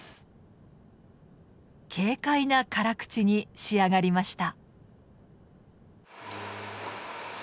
軽快な辛口に仕上がりました。